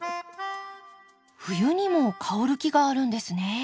冬にも香る木があるんですね。